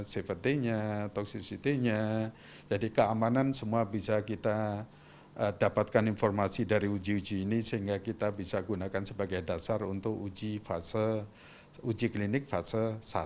cvt nya toxicity nya jadi keamanan semua bisa kita dapatkan informasi dari uji uji ini sehingga kita bisa gunakan sebagai dasar untuk uji fase uji klinik fase satu